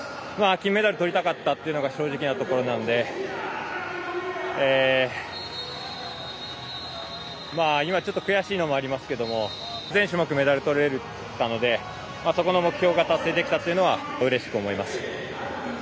金メダル取りたかったというのが正直なところなんで今、ちょっと悔しいのもありますけど、全種目メダル取れたので、そこの目標が達成できたというのはうれしく思います。